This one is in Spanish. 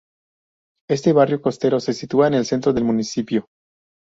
Este barrio costero se sitúa en el centro del municipio.